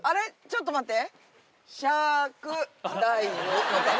ちょっと待って。